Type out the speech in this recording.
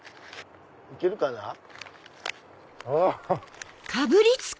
行けるかな？